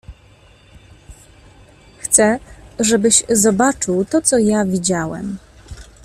"Chcę, żebyś zobaczył to co ja widziałem."